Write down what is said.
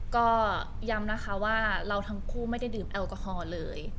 ก็ย้ำนะคะว่าเราทั้งคู่ไม่ได้ดื่มแอลกอฮอล์เลย